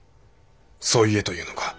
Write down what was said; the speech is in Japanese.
そう言えというのか？